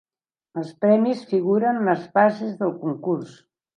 Els premis figuren a les bases del concurs.